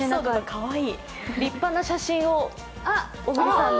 立派な写真を、小栗さんの。